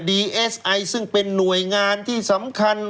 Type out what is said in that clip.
ดีเอสไอซึ่งเป็นหน่วยงานที่สำคัญ